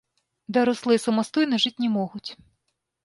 Дарослыя самастойна жыць не могуць.